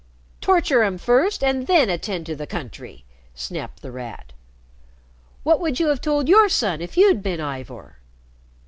"Torture 'em first and then attend to the country," snapped The Rat. "What would you have told your son if you'd been Ivor?"